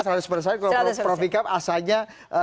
kalau prof m asanya